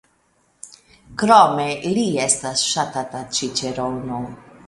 Krome li estas ŝatata ĉiĉerono.